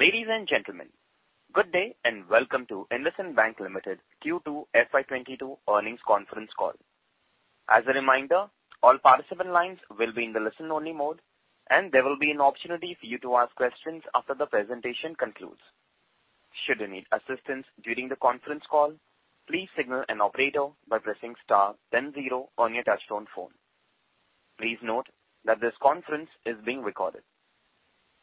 Ladies and gentlemen, good day and welcome to IndusInd Bank Limited Q2 FY 2022 earnings conference call. As a reminder, all participant lines will be in the listen-only mode, and there will be an opportunity for you to ask questions after the presentation concludes. Should you need assistance during the conference call, please signal an operator by pressing star then zero on your touchtone phone. Please note that this conference is being recorded.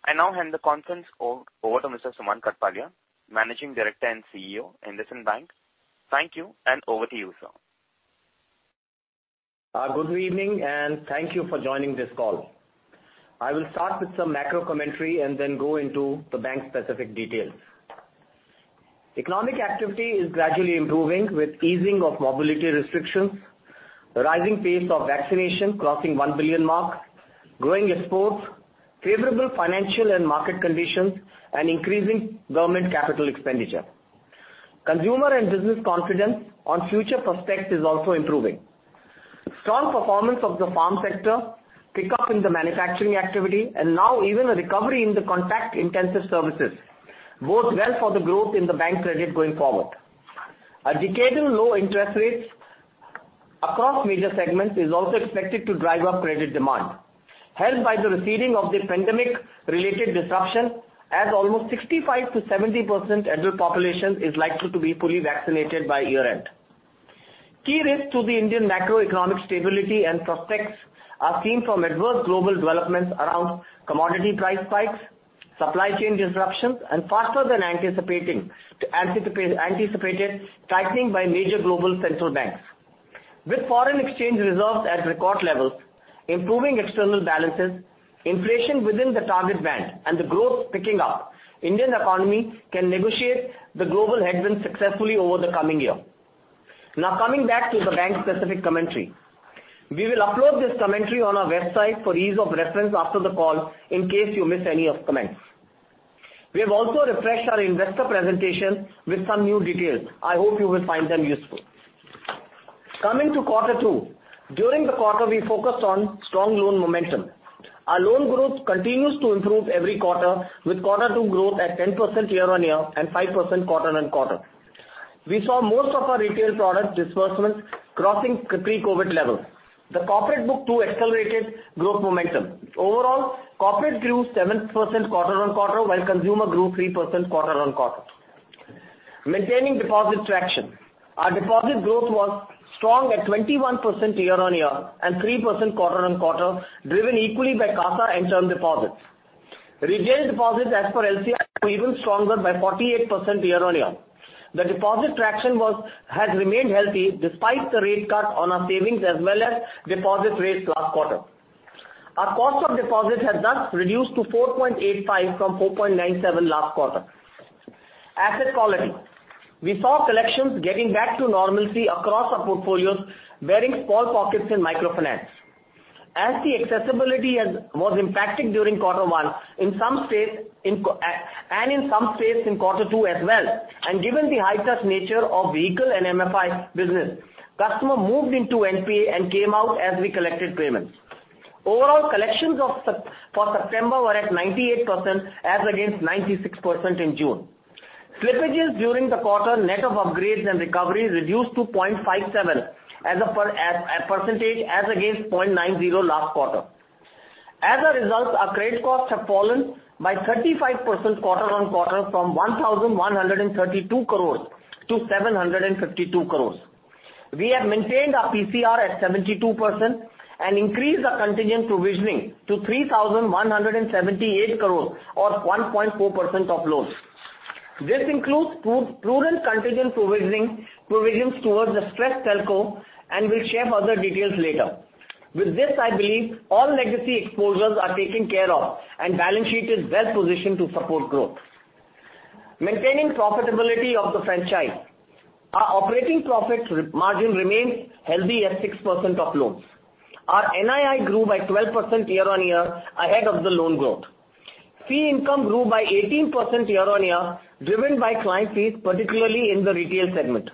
I now hand the conference over to Mr. Sumant Kathpalia, Managing Director and CEO, IndusInd Bank. Thank you, and over to you, sir. Good evening and thank you for joining this call. I will start with some macro commentary and then go into the bank-specific details. Economic activity is gradually improving with easing of mobility restrictions, the rising pace of vaccination crossing 1 billion mark, growing exports, favorable financial and market conditions, and increasing government capital expenditure. Consumer and business confidence on future prospects is also improving. Strong performance of the farm sector, pickup in the manufacturing activity, and now even a recovery in the contact-intensive services bodes well for the growth in the bank credit going forward. A decade in low interest rates across major segments is also expected to drive up credit demand, helped by the receding of the pandemic-related disruption, as almost 65%-70% adult population is likely to be fully vaccinated by year-end. Key risks to the Indian macroeconomic stability and prospects are seen from adverse global developments around commodity price spikes, supply chain disruptions, and faster than anticipated tightening by major global central banks. With foreign exchange reserves at record levels, improving external balances, inflation within the target band, and the growth picking up, Indian economy can negotiate the global headwinds successfully over the coming year. Now coming back to the bank-specific commentary. We will upload this commentary on our website for ease of reference after the call in case you miss any of the comments. We have also refreshed our investor presentation with some new details. I hope you will find them useful. Coming to quarter two, during the quarter we focused on strong loan momentum. Our loan growth continues to improve every quarter, with quarter two growth at 10% year-on-year and five percent quarter-on-quarter. We saw most of our retail product disbursements crossing pre-COVID levels. The corporate book too accelerated growth momentum. Overall, corporate grew seven percent quarter-on-quarter, while consumer grew three percent quarter-on-quarter. Maintaining deposit traction. Our deposit growth was strong at 21% year-on-year and three percent quarter-on-quarter, driven equally by CASA and term deposits. Retail deposits as per LCR were even stronger by 48% year-on-year. The deposit traction has remained healthy despite the rate cut on our savings as well as deposit rates last quarter. Our cost of deposits has thus reduced to 4.85 from 4.97 last quarter. Asset quality. We saw collections getting back to normalcy across our portfolios, barring small pockets in microfinance. As the accessibility was impacted during Q1, in some states and in some states in Q2 as well, and given the high touch nature of vehicle and MFI business, customer moved into NPA and came out as we collected payments. Overall, collections for September were at 98% as against 96% in June. Slippages during the quarter net of upgrades and recoveries reduced to 0.57% as against 0.90% last quarter. As a result, our credit costs have fallen by 35% quarter-on-quarter from 1,132 crores to 752 crores. We have maintained our PCR at 72% and increased our contingent provisioning to 3,178 crores or 1.4% of loans. This includes prudent contingent provisioning, provisions towards the stressed telco, and we'll share further details later. With this, I believe all legacy exposures are taken care of and balance sheet is best positioned to support growth. Maintaining profitability of the franchise. Our operating profit margin remains healthy at six percent of loans. Our NII grew by 12% year-on-year ahead of the loan growth. Fee income grew by 18% year-on-year, driven by client fees, particularly in the retail segment.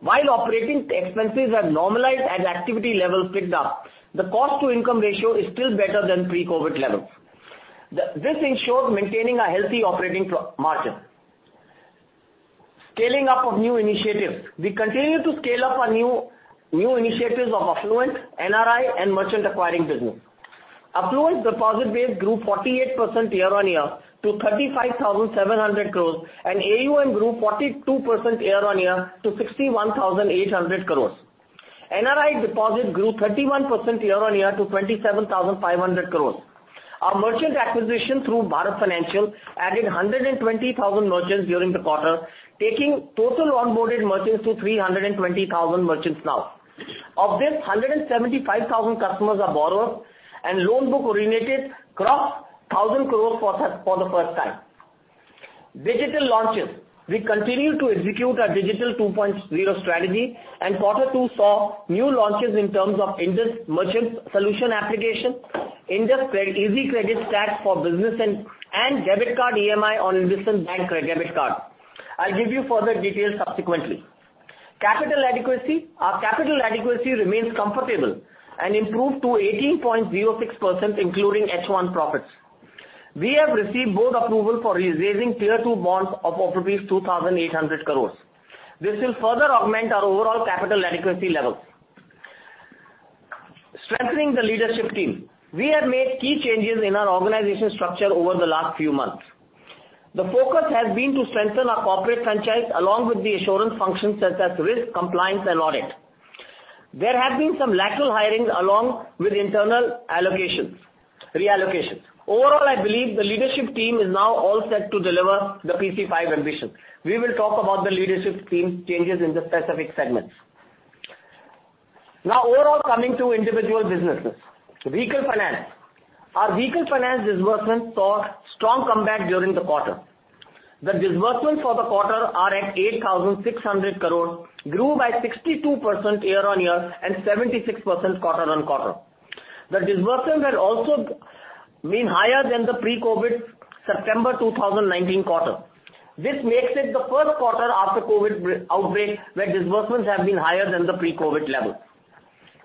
While operating expenses have normalized as activity levels picked up, the cost to income ratio is still better than pre-COVID levels. This ensures maintaining a healthy operating margin. Scaling up of new initiatives. We continue to scale up our new initiatives of affluent, NRI, and merchant acquiring business. Affluent deposit base grew 48% year-on-year to 35,700 crore, and AUM grew 42% year-on-year to 61,800 crore. NRI deposit grew 31% year-on-year to 27,500 crore. Our merchant acquisition through Bharat Financial added 120,000 merchants during the quarter, taking total onboarded merchants to 320,000 merchants now. Of this, 175,000 customers are borrowers and loan book originated crossed 1,000 crore for the first time. Digital launches. We continue to execute our Digital 2.0 strategy, and quarter two saw new launches in terms of Indus Merchant Solutions application, Indus Easy Credit Stack for business and debit card EMI on IndusInd Bank debit card. I'll give you further details subsequently. Capital adequacy. Our capital adequacy remains comfortable and improved to 18.06%, including H1 profits. We have received board approval for re-raising Tier Two bonds of 2,800 crore. This will further augment our overall capital adequacy level. Strengthening the leadership team. We have made key changes in our organizational structure over the last few months. The focus has been to strengthen our corporate franchise along with the assurance functions such as risk, compliance and audit. There have been some lateral hiring along with internal reallocations. Overall, I believe the leadership team is now all set to deliver the PC5 ambition. We will talk about the leadership team changes in the specific segments. Now, overall, coming to individual businesses. Vehicle finance. Our vehicle finance disbursements saw strong comeback during the quarter. The disbursements for the quarter are at 8,600 crore, grew by 62% year-on-year and 76% quarter-on-quarter. The disbursements have also been higher than the pre-COVID September 2019 quarter. This makes it the first quarter after COVID outbreak, where disbursements have been higher than the pre-COVID level.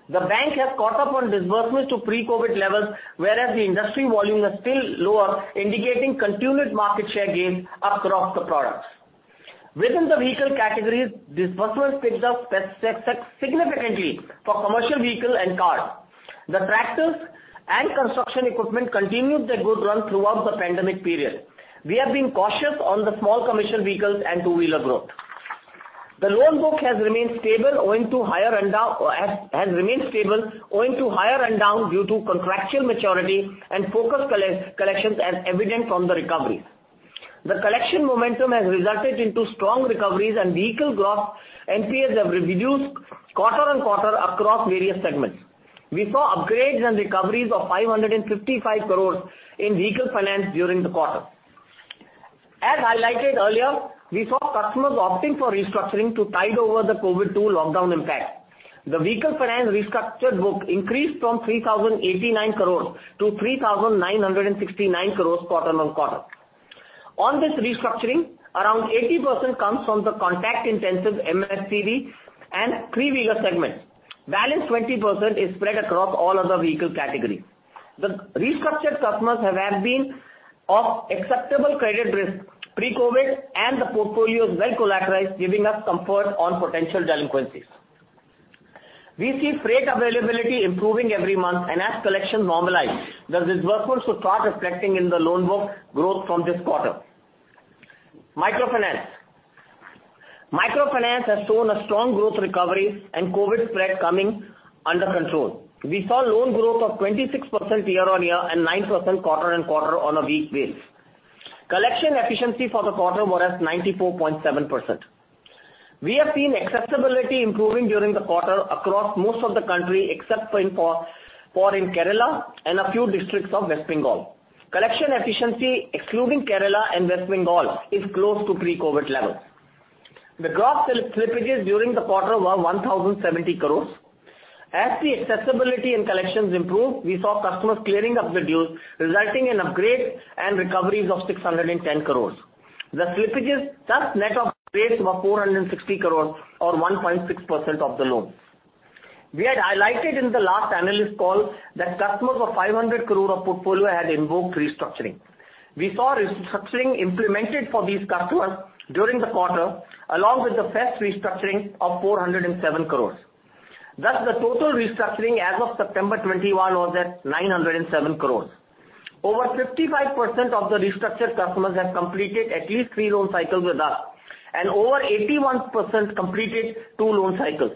The bank has caught up on disbursements to pre-COVID levels, whereas the industry volume is still lower, indicating continued market share gains across the products. Within the vehicle categories, disbursements picked up significantly for commercial vehicle and car. The tractors and construction equipment continued their good run throughout the pandemic period. We have been cautious on the small commercial vehicles and two-wheeler growth. The loan book has remained stable owing to higher run down due to contractual maturity and focused collections as evident from the recoveries. The collection momentum has resulted into strong recoveries and vehicle gross NPAs have reduced quarter-on-quarter across various segments. We saw upgrades and recoveries of 555 crore in vehicle finance during the quarter. As highlighted earlier, we saw customers opting for restructuring to tide over the COVID-19 lockdown impact. The vehicle finance restructured book increased from 3,089 crore to 3,969 crore quarter-on-quarter. On this restructuring, around 80% comes from the contact-intensive MHCV and three-wheeler segment. The balance 20% is spread across all other vehicle category. The restructured customers have been of acceptable credit risk pre-COVID and the portfolio is well collateralized, giving us comfort on potential delinquencies. We see freight availability improving every month, and as collections normalize, the disbursements should start reflecting in the loan book growth from this quarter. Microfinance has shown a strong growth recovery and COVID spread coming under control. We saw loan growth of 26% year-on-year and nine percent quarter-on-quarter on a weak base. Collection efficiency for the quarter was at 94.7%. We have seen acceptability improving during the quarter across most of the country, except for in Kerala and a few districts of West Bengal. Collection efficiency, excluding Kerala and West Bengal, is close to pre-COVID levels. The gross slippages during the quarter were 1,070 crores. As the acceptability and collections improved, we saw customers clearing up the dues, resulting in upgrades and recoveries of 610 crore. The slippages, thus net of upgrades, were 460 crore or 1.6% of the loans. We had highlighted in the last analyst call that customers of 500 crore of portfolio had invoked restructuring. We saw restructuring implemented for these customers during the quarter, along with the fresh restructuring of 407 crore. Thus, the total restructuring as of September 2021 was at 907 crore. Over 55% of the restructured customers have completed at least three loan cycles with us, and over 81% completed two loan cycles.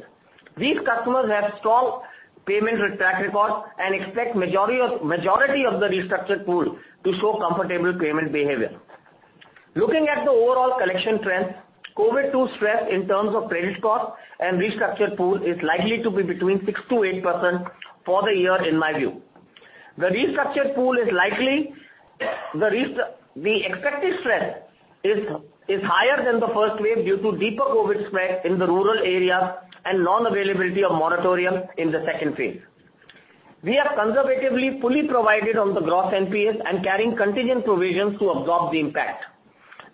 These customers have strong payment track record and we expect the majority of the restructured pool to show comfortable payment behavior. Looking at the overall collection trends, COVID-2 spread in terms of credit cost and restructured pool is likely to be betweensix-eight percent for the year in my view. The expected stress is higher than the first wave due to deeper COVID spread in the rural areas and non-availability of moratorium in the second phase. We have conservatively fully provided on the gross NPAs and carrying contingent provisions to absorb the impact.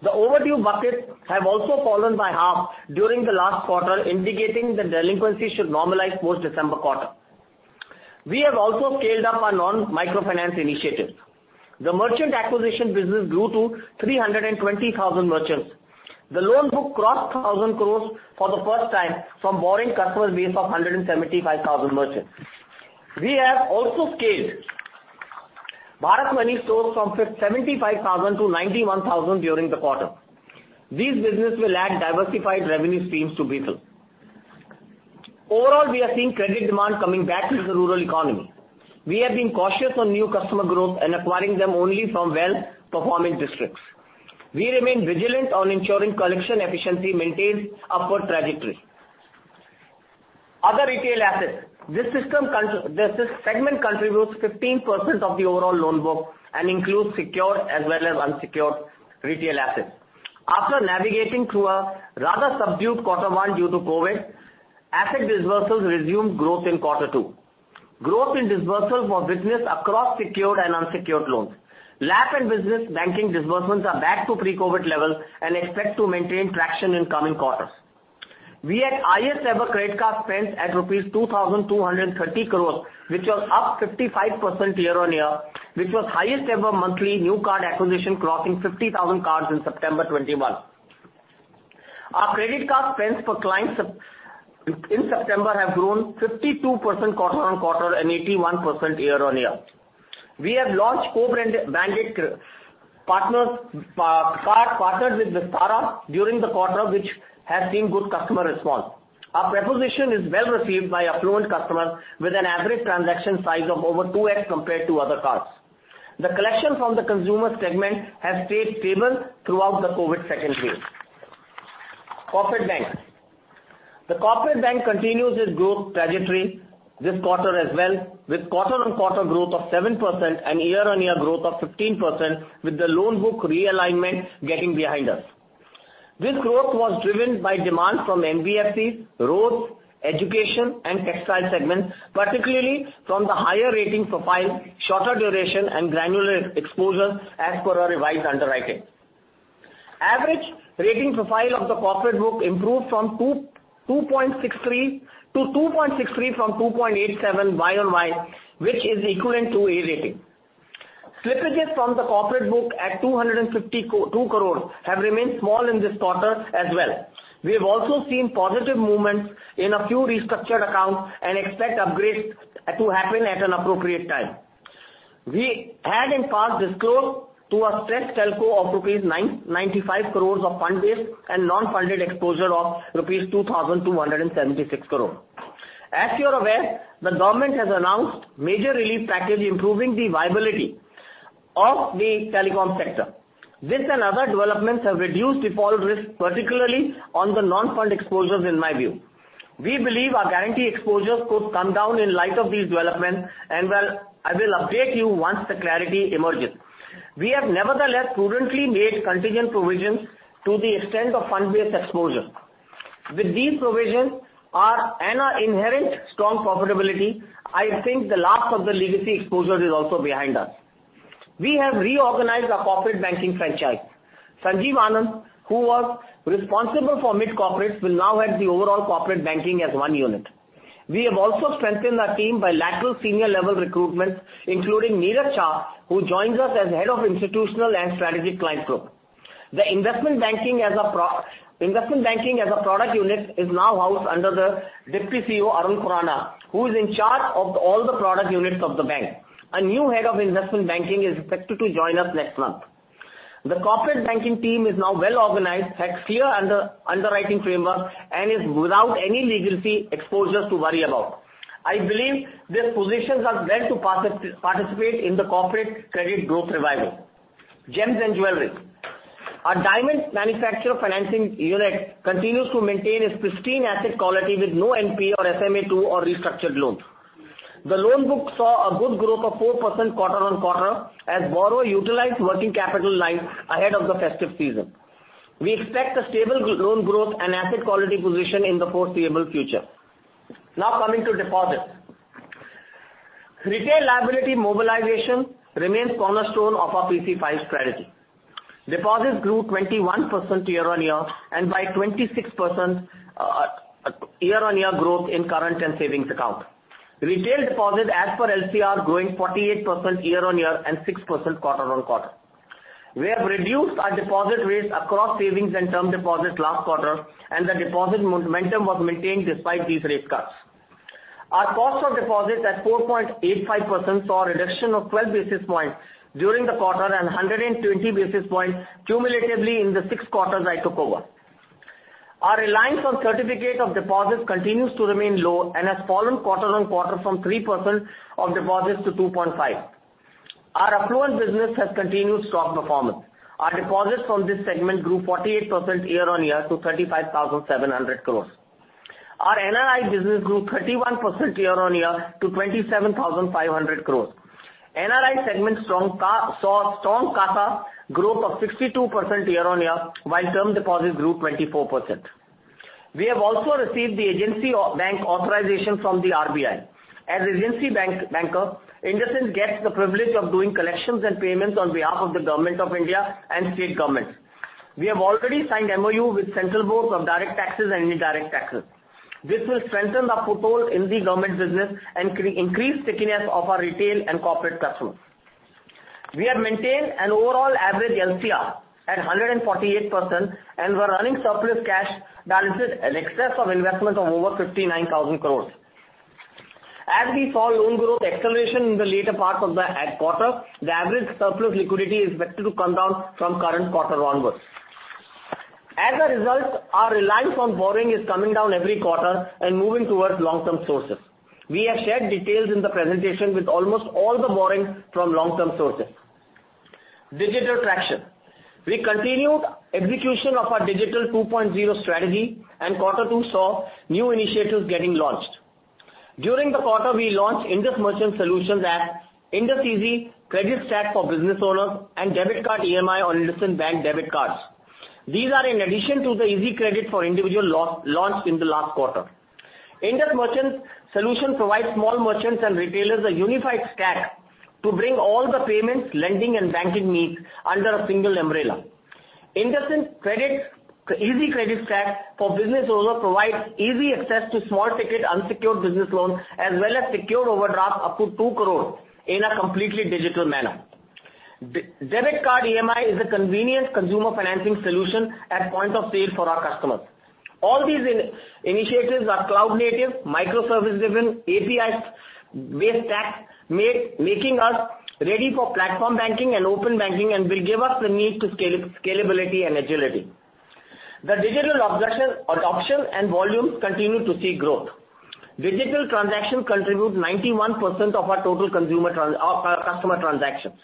The overdue buckets have also fallen by half during the last quarter, indicating the delinquency should normalize post-December quarter. We have also scaled up our non-microfinance initiatives. The merchant acquisition business grew to 320,000 merchants. The loan book crossed 1,000 crores for the first time from borrowing customer base of 175,000 merchants. We have also scaled Bharat Money Stores from 75,000 to 91,000 during the quarter. These businesses will add diversified revenue streams to BFSI. Overall, we are seeing credit demand coming back into the rural economy. We have been cautious on new customer growth and acquiring them only from well-performing districts. We remain vigilant on ensuring collection efficiency maintains upward trajectory. Other retail assets. This segment contributes 15% of the overall loan book and includes secured as well as unsecured retail assets. After navigating through a rather subdued quarter one due to COVID, asset disbursements resumed growth in quarter two. Growth in disbursements for business across secured and unsecured loans. LAP and business banking disbursements are back to pre-COVID levels and expect to maintain traction in coming quarters. We had highest ever credit card spends at INR 2,230 crore, which was up 55% year-on-year, which was highest ever monthly new card acquisition, crossing 50,000 cards in September 2021. Our credit card spends per client in September have grown 52% quarter-on-quarter and 81% year-on-year. We have launched co-branded, branded partners, card partnered with Vistara during the quarter, which has seen good customer response. Our proposition is well received by affluent customers with an average transaction size of over 2x compared to other cards. The collection from the consumer segment has stayed stable throughout the COVID second wave. Corporate Bank. The Corporate Bank continues its growth trajectory this quarter as well, with quarter-on-quarter growth of seven percent and year-on-year growth of 15% with the loan book realignment getting behind us. This growth was driven by demand from NBFCs, roads, education and textile segments, particularly from the higher rating profile, shorter duration and granular exposures as per our revised underwriting. Average rating profile of the corporate book improved from 2.63 to 2.63 from 2.87 year-on-year, which is equivalent to A rating. Slippages from the corporate book at 252 crore have remained small in this quarter as well. We have also seen positive movements in a few restructured accounts and expect upgrades to happen at an appropriate time. We had in past disclosed a stressed telco of rupees 995 crore of fund-based and non-funded exposure of rupees 2,276 crore. As you're aware, the government has announced major relief package improving the viability of the telecom sector. This and other developments have reduced default risk, particularly on the non-fund exposures in my view. We believe our guarantee exposures could come down in light of these developments, and well, I will update you once the clarity emerges. We have nevertheless prudently made contingent provisions to the extent of fund-based exposure. With these provisions, and our inherent strong profitability, I think the last of the legacy exposure is also behind us. We have reorganized our corporate banking franchise. Sanjeev Anand, who was responsible for mid corporates, will now head the overall corporate banking as one unit. We have also strengthened our team by lateral senior level recruitments, including Niraj Shah, who joins us as Head of Institutional and Strategic Client Group. The investment banking as a product unit is now housed under the Deputy CEO, Arun Khurana, who is in charge of all the product units of the bank. A new head of investment banking is expected to join us next month. The corporate banking team is now well organized, has clear underwriting framework and is without any legacy exposures to worry about. I believe these positions are well positioned to participate in the corporate credit growth revival. Gems and Jewellery. Our diamond manufacturer financing unit continues to maintain its pristine asset quality with no NPA or SMA-2 or restructured loans. The loan book saw a good growth of four percent quarter-on-quarter as borrowers utilized working capital lines ahead of the festive season. We expect a stable loan growth and asset quality position in the foreseeable future. Now coming to deposits. Retail liability mobilization remains cornerstone of our PC5 strategy. Deposits grew 21% year-on-year and by 26% year-on-year growth in current and savings account. Retail deposits as per LCR growing 48% year-on-year and 6% quarter-on-quarter. We have reduced our deposit rates across savings and term deposits last quarter, and the deposit momentum was maintained despite these rate cuts. Our cost of deposits at 4.85% saw a reduction of 12 basis points during the quarter and 120 basis points cumulatively in the six quarters I took over. Our reliance on certificate of deposits continues to remain low and has fallen quarter-on-quarter from three percent of deposits to 2.5. Our affluent business has continued strong performance. Our deposits from this segment grew 48% year-on-year to 35,700 crore. Our NRI business grew 31% year-on-year to 27,500 crores. NRI segment saw strong CASA growth of 62% year-on-year, while term deposits grew 24%. We have also received the agency bank authorization from the RBI. As agency bank, IndusInd gets the privilege of doing collections and payments on behalf of the Government of India and state governments. We have already signed MoU with Central Board of Direct Taxes and Indirect Taxes. This will strengthen our foothold in the government business and increase stickiness of our retail and corporate customers. We have maintained an overall average LCR at 148% and we're running surplus cash balances in excess of investment of over 59,000 crores. As we saw loan growth acceleration in the later part of the quarter, the average surplus liquidity is expected to come down from current quarter onwards. As a result, our reliance on borrowing is coming down every quarter and moving towards long-term sources. We have shared details in the presentation with almost all the borrowings from long-term sources. Digital traction. We continued execution of our Digital 2.0 strategy and quarter two saw new initiatives getting launched. During the quarter, we launched Indus Merchant Solutions app, IndusEasy Credit Stack for business owners, and debit card EMI on IndusInd Bank debit cards. These are in addition to the easy credit for individual loans launched in the last quarter. Indus Merchant Solutions provides small merchants and retailers a unified stack to bring all the payments, lending, and banking needs under a single umbrella. Indus Easy Credit stack for business provides easy access to small-ticket unsecured business loans, as well as secured overdraft up to 2 crore in a completely digital manner. Debit card EMI is a convenient consumer financing solution at point of sale for our customers. All these initiatives are cloud-native, microservice-driven, API-based stacks, making us ready for platform banking and open banking and will give us the scalability and agility. The digital adoption and volumes continue to see growth. Digital transactions contribute 91% of our total customer transactions.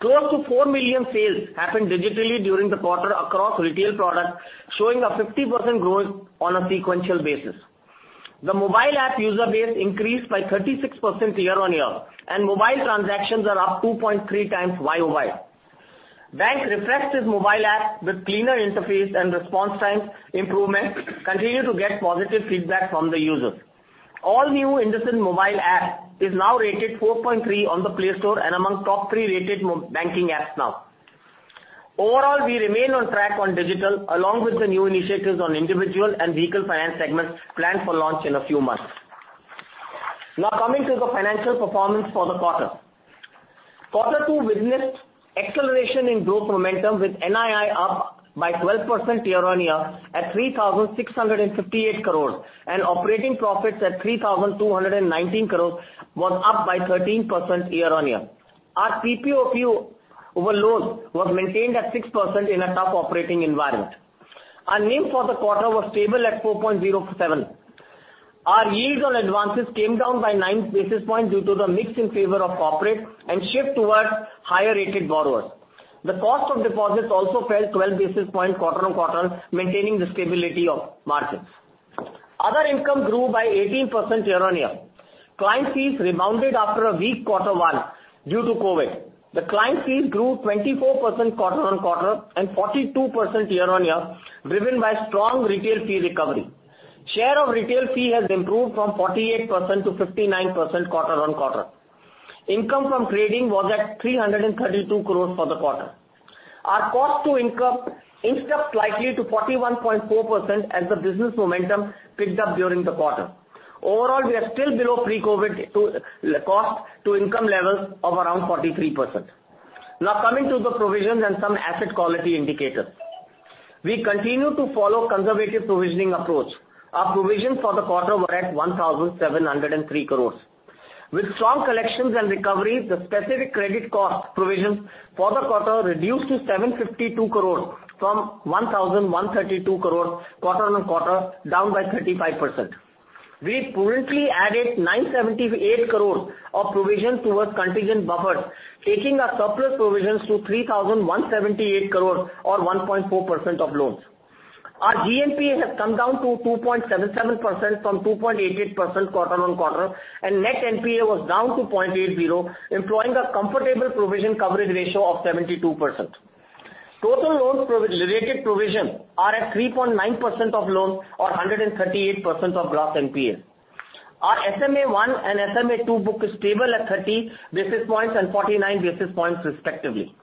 Close to 4 million sales happened digitally during the quarter across retail products, showing a 50% growth on a sequential basis. The mobile app user base increased by 36% year-on-year, and mobile transactions are up 2.3 times Y-O-Y. Bank refreshed its mobile app with cleaner interface and response time improvements, continue to get positive feedback from the users. The all new IndusInd mobile app is now rated 4.3 on the Play Store and among top 3 rated mobile banking apps now. Overall, we remain on track on digital, along with the new initiatives on individual and vehicle finance segments planned for launch in a few months. Now coming to the financial performance for the quarter. Quarter two witnessed acceleration in growth momentum with NII up by 12% year-over-year at 3,658 crore and operating profits at 3,219 crore was up by 13% year-over-year. Our PPOP over loans was maintained at 6% in a tough operating environment. Our NIM for the quarter was stable at 4.07%. Our yields on advances came down by 9 basis points due to the mix in favor of corporate and shift towards higher rated borrowers. The cost of deposits also fell 12 basis points quarter-on-quarter, maintaining the stability of margins. Other income grew by 18% year-on-year. Client fees rebounded after a weak Q1 due to COVID. The client fees grew 24% quarter-on-quarter and 42% year-on-year, driven by strong retail fee recovery. Share of retail fee has improved from 48% to 59% quarter-on-quarter. Income from trading was at 332 crore for the quarter. Our cost to income inched up slightly to 41.4% as the business momentum picked up during the quarter. Overall, we are still below pre-COVID cost to income levels of around 43%. Now coming to the provisions and some asset quality indicators. We continue to follow conservative provisioning approach. Our provisions for the quarter were at 1,703 crore. With strong collections and recoveries, the specific credit cost provision for the quarter reduced to 752 crore from 1,132 crore quarter-on-quarter, down by 35%. We prudently added 978 crore of provision towards contingent buffers, taking our surplus provisions to 3,178 crore or 1.4% of loans. Our GNPA has come down to 2.77% from 2.88% quarter-on-quarter, and net NPA was down to 0.80, employing a comfortable provision coverage ratio of 72%. Total loans related provision are at 3.9% of loans or 138% of gross NPA. Our SMA-1 and SMA-2 book is stable at 30 basis points and 49 basis points respectively.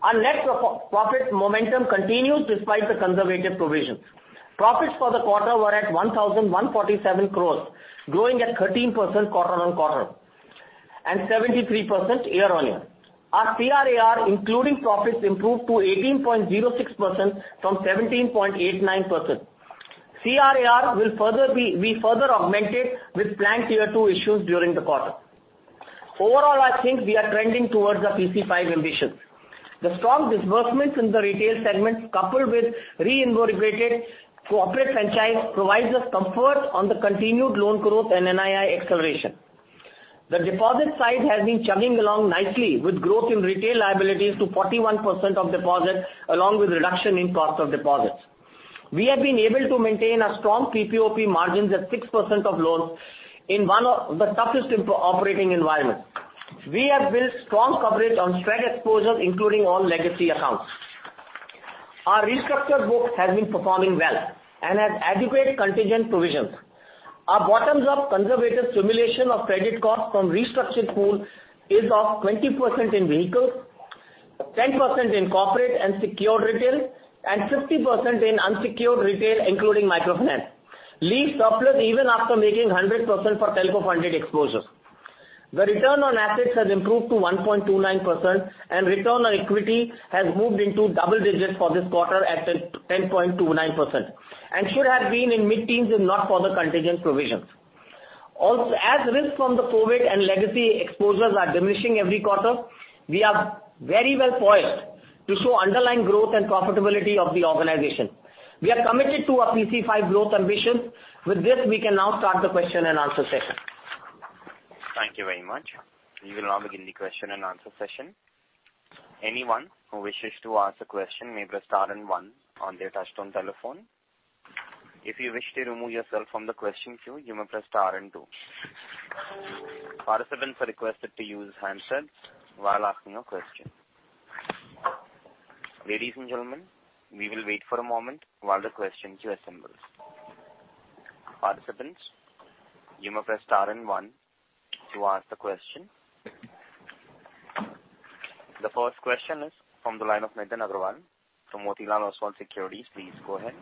Our net profit momentum continues despite the conservative provisions. Profits for the quarter were at 1,147 crore, growing at 13% quarter-on-quarter and 73% year-on-year. Our CRAR including profits improved to 18.06% from 17.89%. CRAR will further be augmented with planned Tier Two issues during the quarter. Overall, I think we are trending towards our PC5 ambitions. The strong disbursements in the retail segment, coupled with reinvigorated corporate franchise, provides us comfort on the continued loan growth and NII acceleration. The deposit side has been chugging along nicely with growth in retail liabilities to 41% of deposits along with reduction in cost of deposits. We have been able to maintain our strong PPOP margins at six percent of loans in one of the toughest operating environments. We have built strong coverage on stressed exposures, including all legacy accounts. Our restructure book has been performing well and has adequate contingent provisions. Our bottoms-up conservative simulation of credit costs from restructured pool is of 20% in vehicles, 10% in corporate and secured retail, and 50% in unsecured retail, including microfinance, leaves surplus even after making 100% for tele-funded exposures. The return on assets has improved to 1.29%, and return on equity has moved into double digits for this quarter at 10.29%, and should have been in mid-teens if not for the contingent provisions. Also, as risks from the COVID and legacy exposures are diminishing every quarter, we are very well poised to show underlying growth and profitability of the organization. We are committed to our PC5 growth ambition. With this, we can now start the question and answer session. Thank you very much. We will now begin the question and answer session. Anyone who wishes to ask a question may press star and one on their touchtone telephone. If you wish to remove yourself from the question queue, you may press star and two. Participants are requested to use handsets while asking a question. Ladies and gentlemen, we will wait for a moment while the question queue assembles. Participants, you may press star and one to ask the question. The first question is from the line of Nitin Aggarwal from Motilal Oswal Securities. Please go ahead.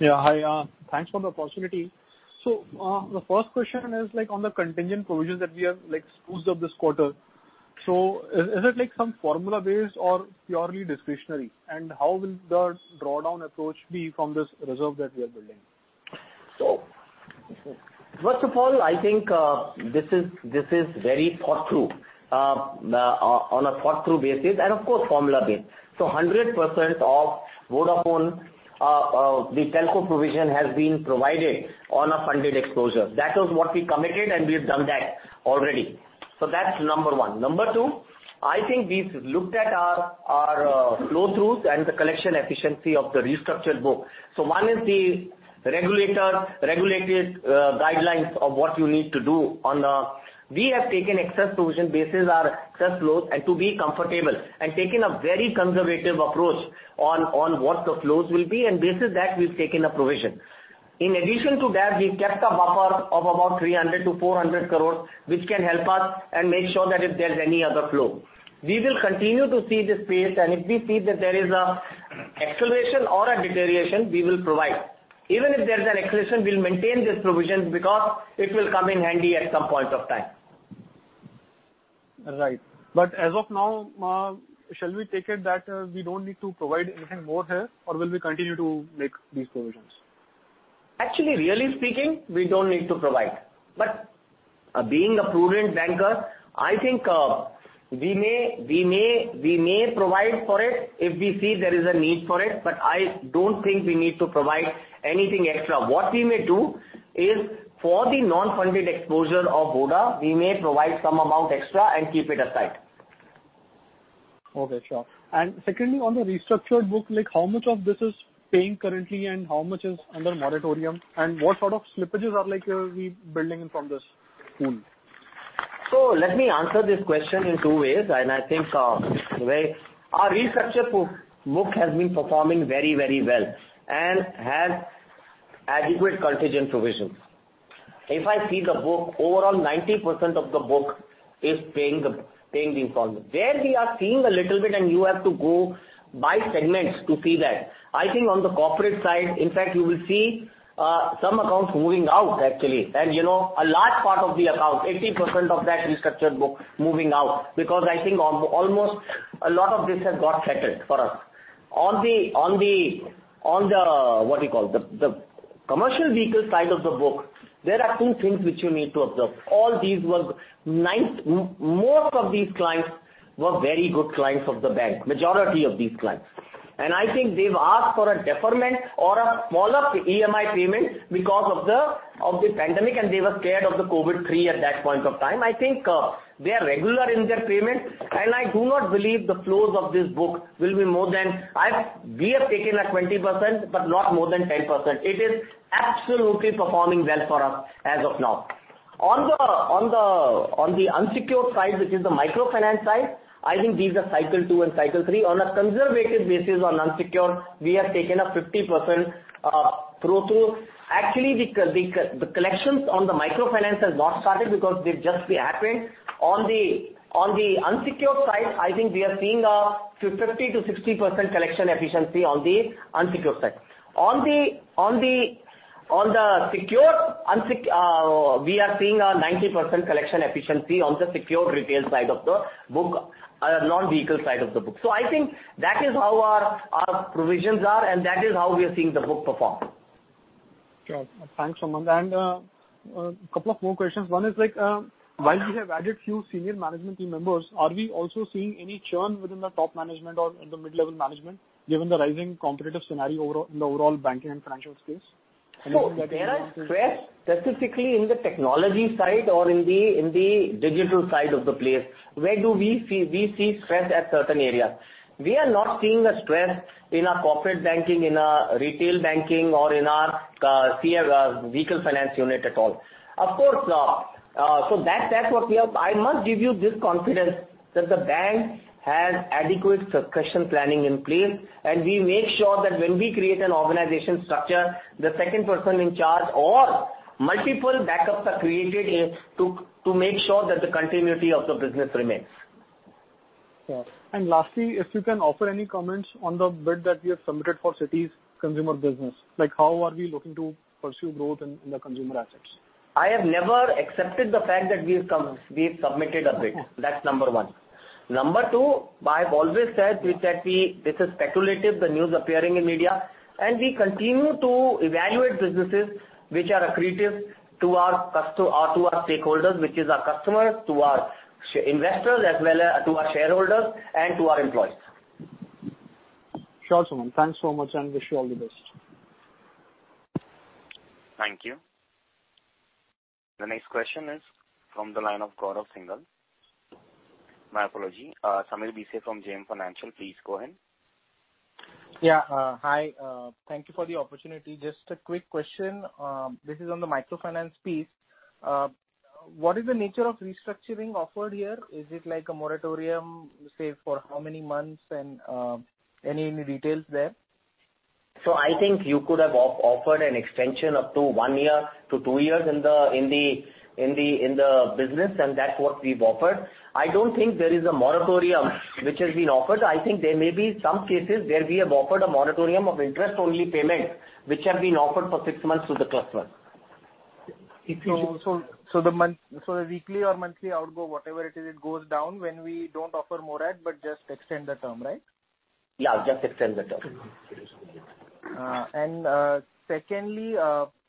Yeah. Hi. Thanks for the opportunity. The first question is, like, on the contingent provisions that we have, like, used up this quarter. Is it, like, some formula based or purely discretionary? How will the drawdown approach be from this reserve that we are building? First of all, I think this is very thought through. On a thought through basis, and of course formula based. 100% of Vodafone, the telco provision has been provided on a funded exposure. That was what we committed, and we have done that already. That's number one. Number two, I think we've looked at our flow throughs and the collection efficiency of the restructured book. One is the regulated guidelines of what you need to do on a. We have taken excess provision based on our excess flows and to be comfortable, and taken a very conservative approach on what the flows will be. Based on that, we've taken a provision. In addition to that, we've kept a buffer of about 300-400 crores, which can help us and make sure that if there's any other flow. We will continue to see this pace, and if we see that there is a acceleration or a deterioration, we will provide. Even if there's an acceleration, we'll maintain this provision because it will come in handy at some point of time. Right. As of now, shall we take it that we don't need to provide anything more here or will we continue to make these provisions? Actually, really speaking, we don't need to provide. Being a prudent banker, I think we may provide for it if we see there is a need for it, but I don't think we need to provide anything extra. What we may do is for the non-funded exposure of Vodafone, we may provide some amount extra and keep it aside. Okay. Sure. Secondly, on the restructured book, like how much of this is paying currently and how much is under moratorium? What sort of slippages are likely? Are we building from this pool? Let me answer this question in two ways. I think way. Our restructured book has been performing very well and has adequate contingent provisions. If I see the book, overall, 90% of the book is paying the installment. Where we are seeing a little bit, and you have to go by segments to see that, I think on the corporate side, in fact you will see some accounts moving out actually. You know, a large part of the account, 80% of that restructured book moving out, because I think almost a lot of this has got settled for us. On the commercial vehicle side of the book, there are two things which you need to observe. All these were nice. Most of these clients were very good clients of the bank, majority of these clients. I think they've asked for a deferment or a smaller EMI payment because of the pandemic, and they were scared of the COVID three at that point of time. I think they are regular in their payment, and I do not believe the flows of this book will be more than we have taken a 20%, but not more than 10%. It is absolutely performing well for us as of now. On the unsecured side, which is the microfinance side, I think these are cycle two and cycle three. On a conservative basis on unsecured, we have taken a 50% through to. Actually, the collections on the microfinance has not started because they've just been approved. On the unsecured side, I think we are seeing a 50%-60% collection efficiency on the unsecured side. On the secured retail side of the book, non-vehicle side of the book, we are seeing a 90% collection efficiency. I think that is how our provisions are and that is how we are seeing the book perform. Sure. Thanks, Sumant. Couple of more questions. One is like, while we have added few senior management team members, are we also seeing any churn within the top management or in the mid-level management, given the rising competitive scenario in the overall banking and financial space? There are stress specifically in the technology side or in the digital side of the place where we see stress at certain areas. We are not seeing a stress in our corporate banking, in our retail banking or in our vehicle finance unit at all. Of course, that's what we have. I must give you this confidence that the bank has adequate succession planning in place, and we make sure that when we create an organization structure, the second person in charge or multiple backups are created to make sure that the continuity of the business remains. Sure. Lastly, if you can offer any comments on the bid that we have submitted for Citi's consumer business, like how are we looking to pursue growth in the consumer assets? I have never accepted the fact that we've submitted a bid. Yeah. That's number one. Number two, I've always said, we said this is speculative, the news appearing in media, and we continue to evaluate businesses which are accretive to our customers or to our stakeholders, which is our customers, to our investors, as well as to our shareholders and to our employees. Sure, Sumant. Thanks so much, and I wish you all the best. Thank you. The next question is from the line of Gaurav Singhal. My apology, Sameer Bhise from JM Financial, please go ahead. Yeah. Hi. Thank you for the opportunity. Just a quick question. This is on the microfinance piece. What is the nature of restructuring offered here? Is it like a moratorium, say, for how many months? Any details there? I think you could have offered an extension up to 1 year to 2 years in the business, and that's what we've offered. I don't think there is a moratorium which has been offered. I think there may be some cases where we have offered a moratorium of interest-only payment, which have been offered for 6 months to the customer. The weekly or monthly outgo, whatever it is, it goes down when we don't offer moratorium, but just extend the term, right? Yeah, just extend the term. Secondly,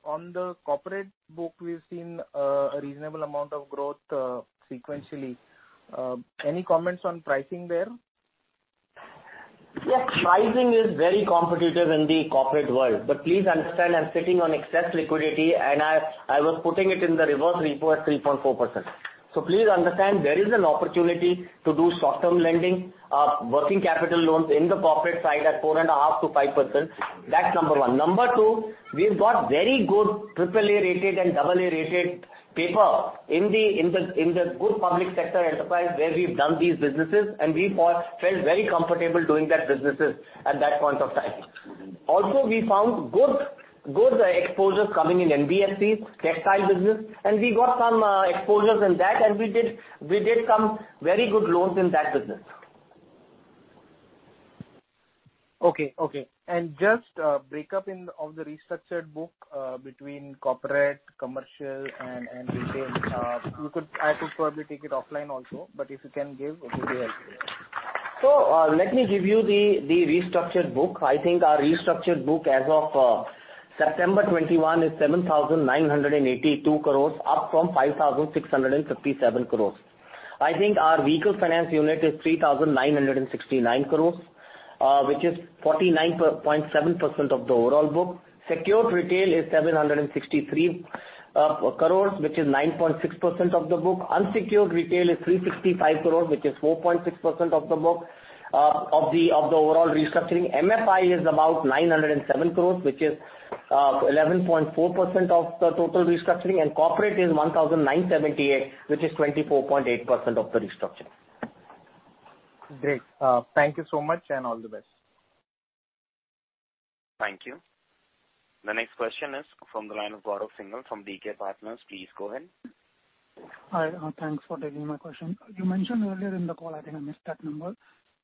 on the corporate book, we've seen a reasonable amount of growth sequentially. Any comments on pricing there? Yeah. Pricing is very competitive in the corporate world. Please understand I'm sitting on excess liquidity, and I was putting it in the reverse repo at 3.4%. Please understand there is an opportunity to do short-term lending, working capital loans in the corporate side at 4.5%-5%. That's number one. Number two, we've got very good AAA-rated and AA-rated paper in the good public sector enterprise where we've done these businesses, and we felt very comfortable doing that businesses at that point of time. Also, we found good exposures coming in NBFCs, textile business, and we got some exposures in that, and we did some very good loans in that business. Just breakdown of the restructured book between corporate, commercial, and retail. I could probably take it offline also, but if you can give it would be helpful. Let me give you the restructured book. I think our restructured book as of September 2021 is 7,982 crores, up from 5,657 crores. I think our vehicle finance unit is 3,969 crores, which is 49.7% of the overall book. Secured retail is 763 crores rupees, which is 9.6% of the book. Unsecured retail is 365 crores, which is 4.6% of the book, of the overall restructuring. MFI is about 907 crores, which is 11.4% of the total restructuring. Corporate is 1,978, which is 24.8% of the restructuring. Great. Thank you so much, and all the best. Thank you. The next question is from the line of Gaurav Singhal from B&K Securities. Please go ahead. Hi, thanks for taking my question. You mentioned earlier in the call, I think I missed that number.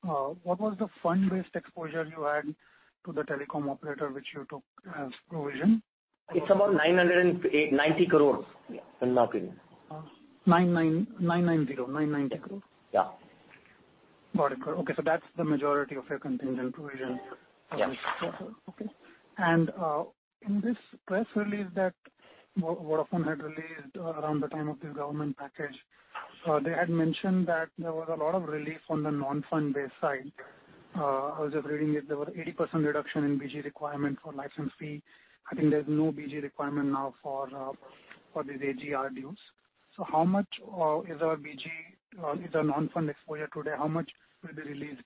What was the fund-based exposure you had to the telecom operator which you took as provision? It's about 989 crores, in my opinion. 99, 990. 990 crores? Yeah. Got it. Okay, so that's the majority of your contingent provision. Yeah. Okay. In this press release that Vodafone had released around the time of the government package, they had mentioned that there was a lot of relief on the non-fund based side. I was just reading it. There were 80% reduction in BG requirement for license fee. I think there's no BG requirement now for these AGR dues. So how much is our BG, is our non-fund exposure today? How much will be released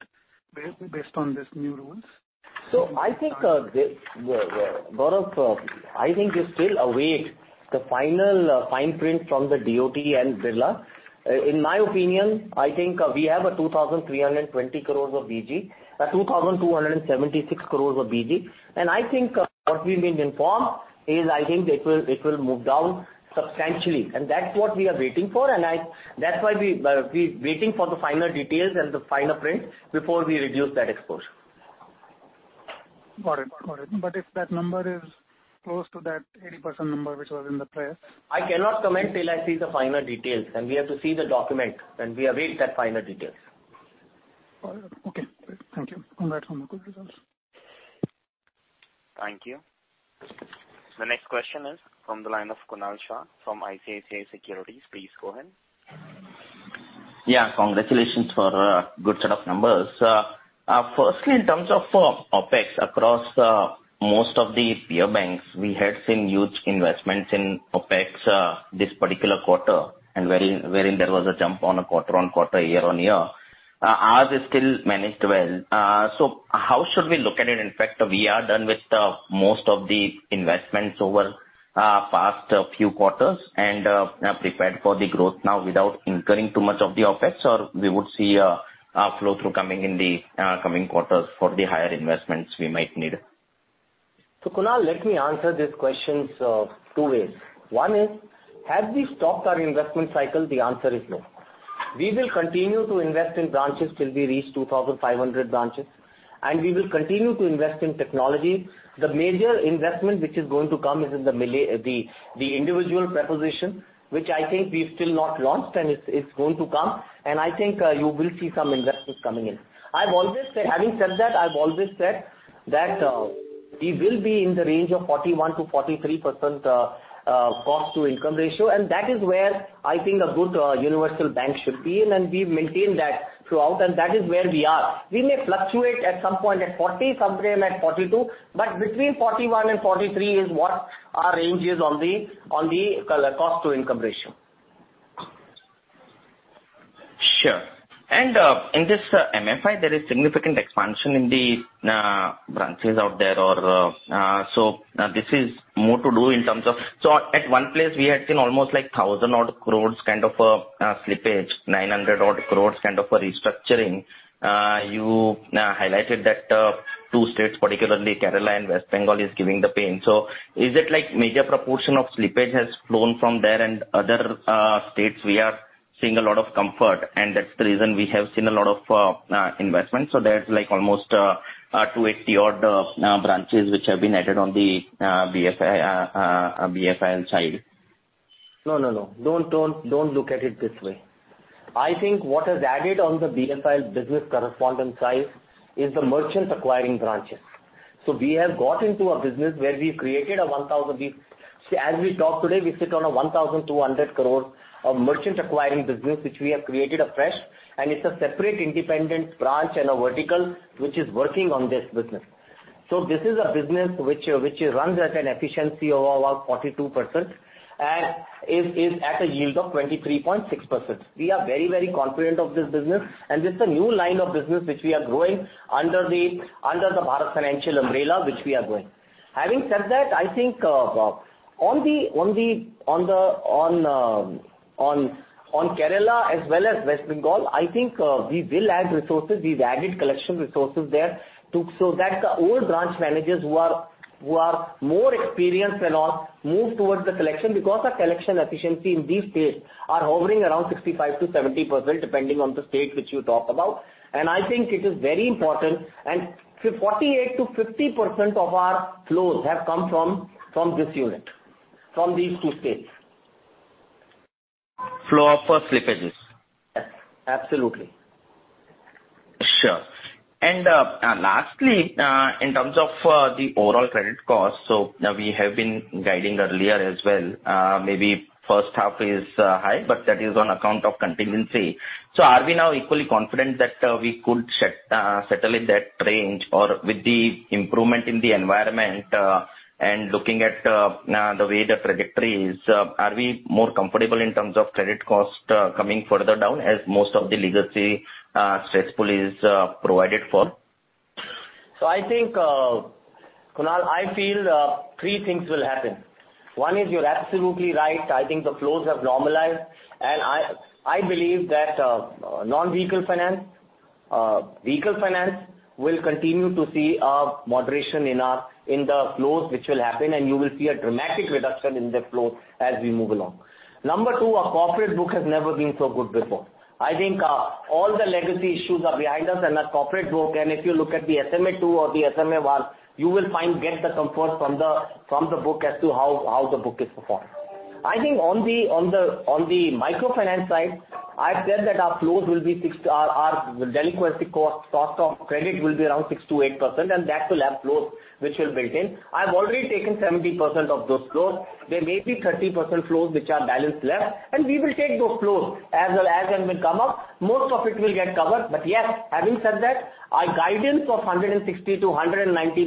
based on these new rules? I think, Gaurav, I think we're still awaiting the final fine print from the DOT and Birla. In my opinion, I think we have 2,320 crores of BG. 2,276 crores of BG. I think what we've been informed is I think it will move down substantially. That's what we are waiting for. That's why we're waiting for the final details and the final print before we reduce that exposure. Got it. If that number is close to that 80% number which was in the press- I cannot comment till I see the final details, and we have to see the document, and we await that final details. All right. Okay, great. Thank you. On that note, good results. Thank you. The next question is from the line of Kunal Shah from ICICI Securities. Please go ahead. Yeah. Congratulations for a good set of numbers. Firstly, in terms of OpEx across most of the peer banks, we had seen huge investments in OpEx this particular quarter, and wherein there was a jump on a quarter-on-quarter, year-on-year. Ours is still managed well. So how should we look at it? In fact, we are done with most of the investments over past few quarters and have prepared for the growth now without incurring too much of the OpEx or we would see a flow-through coming in the coming quarters for the higher investments we might need. Kunal, let me answer these questions two ways. One is, have we stopped our investment cycle? The answer is no. We will continue to invest in branches till we reach 2,500 branches, and we will continue to invest in technology. The major investment which is going to come is in the individual proposition, which I think we've still not launched, and it's going to come, and I think you will see some investments coming in. I've always said that we will be in the range of 41%-43% cost to income ratio, and that is where I think a good universal bank should be. We've maintained that throughout, and that is where we are. We may fluctuate at some point at 40%, sometime at 42%, but between 41% and 43% is what our range is on the cost-to-income ratio. In this MFI, there is significant expansion in the branches out there or this is more to do in terms of. At one place we had seen almost like 1,000-odd crores kind of slippage, 900-odd crores kind of a restructuring. You highlighted that two states, particularly Kerala and West Bengal is giving the pain. Is it like major proportion of slippage has flown from there and other states we are seeing a lot of comfort, and that's the reason we have seen a lot of investment? There's like almost 280-odd branches which have been added on the BFIL side. No. Don't look at it this way. I think what is added on the BFIL business correspondent side is the merchant acquiring branches. We have got into a business where we've created. As we talk today, we sit on 1,200 crore of merchant acquiring business, which we have created afresh, and it's a separate independent branch and a vertical which is working on this business. This is a business which runs at an efficiency of about 42% and is at a yield of 23.6%. We are very confident of this business, and this is a new line of business which we are growing under the Bharat Financial umbrella, which we are growing. Having said that, I think on Kerala as well as West Bengal, I think we will add resources. We've added collection resources there so that the old branch managers who are more experienced and all move towards the collection because our collection efficiency in these states are hovering around 65%-70%, depending on the state which you talk about. I think it is very important. Forty-eight to fifty percent of our flows have come from this unit, from these two states. Flow of slippages? Yes. Absolutely. Sure. Lastly, in terms of the overall credit cost, we have been guiding earlier as well, maybe first half is high, but that is on account of contingency. Are we now equally confident that we could settle in that range or with the improvement in the environment and looking at the way the trajectory is, are we more comfortable in terms of credit cost coming further down as most of the legacy stressful is provided for? I think, Kunal, I feel, three things will happen. One is, you're absolutely right. I think the flows have normalized. I believe that, non-vehicle finance, vehicle finance will continue to see a moderation in the flows, which will happen, and you will see a dramatic reduction in the flow as we move along. Number two, our corporate book has never been so good before. I think, all the legacy issues are behind us and our corporate book, and if you look at the SMA-2 or the SMA-1, you will get the comfort from the book as to how the book is performing. I think on the microfinance side, I've said that our flows will be six... Our delinquency cost of credit will be around six-eight percent, and that will have flows which will build in. I've already taken 70% of those flows. There may be 30% flows which are balance left, and we will take those flows as well as when we come up. Most of it will get covered. Yes, having said that, our guidance of 160-190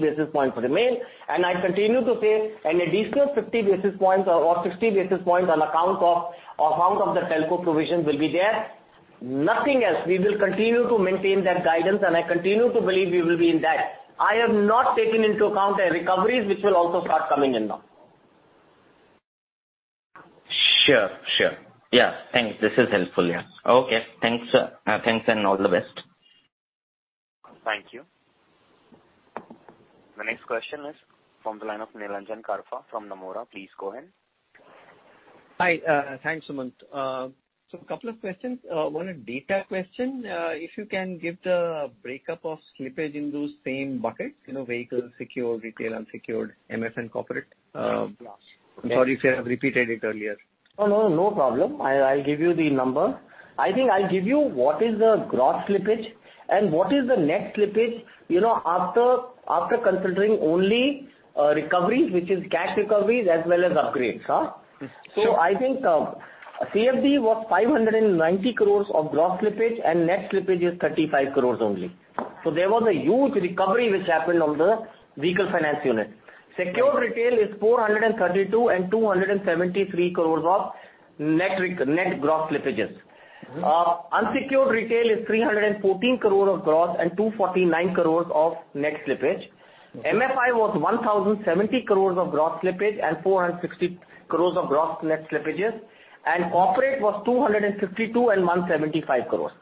basis points remain, and I continue to say an additional 50 basis points or 60 basis points on account of the telco provision will be there. Nothing else. We will continue to maintain that guidance, and I continue to believe we will be in that. I have not taken into account the recoveries which will also start coming in now. Sure. Yeah. Thanks. This is helpful. Yeah. Okay. Thanks. Thanks and all the best. Thank you. The next question is from the line of Nilanjan Karfa from Nomura. Please go ahead. Hi. Thanks, Sumant. A couple of questions. One a data question. If you can give the breakup of slippage in those same buckets, you know, vehicle secured, retail unsecured, MS and corporate. Sorry if I have repeated it earlier. Oh, no problem. I'll give you the number. I think I'll give you what is the gross slippage and what is the net slippage, you know, after considering only recoveries, which is cash recoveries as well as upgrades. Mm-hmm. Sure. I think CFD was 590 crores of gross slippage and net slippage is 35 crores only. There was a huge recovery which happened on the vehicle finance unit. Yes. Secured retail is 432 crores and 273 crores of net gross slippages. Mm-hmm. Unsecured retail is 314 crore of gross and 249 crores of net slippage. Okay. MFI was 1,070 crores of gross slippage and 460 crores of gross net slippages. Corporate was 252 and 175 crores.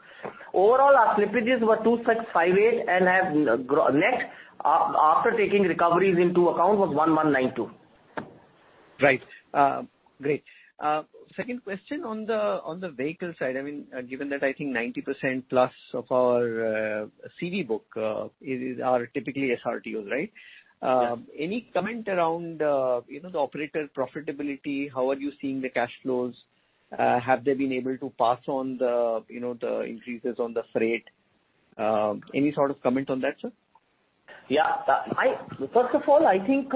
Overall, our slippages were 2,658 and net after taking recoveries into account was 1,192. Right. Great. Second question on the vehicle side, I mean, given that I think 90% plus of our CV book are typically SRTOs, right? Yeah. Any comment around, you know, the operator profitability? How are you seeing the cash flows? Have they been able to pass on the, you know, the increases on the freight? Any sort of comment on that, sir? Yeah. First of all, I think